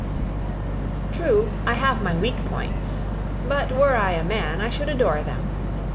True, I have my weak points; but were I a man, I should adore them.